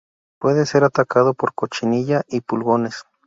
Puede ser atacado por cochinilla y pulgones.